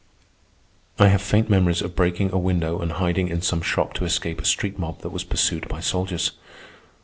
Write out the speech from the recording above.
I have faint memories of breaking a window and hiding in some shop to escape a street mob that was pursued by soldiers.